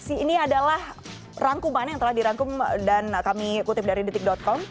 ini adalah rangkuman yang telah dirangkum dan kami kutip dari detik com